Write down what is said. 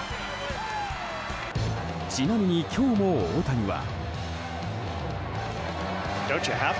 ちなみに、今日も大谷は。